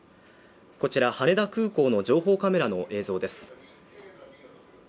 こちら羽田空港の情報カメラの映像です。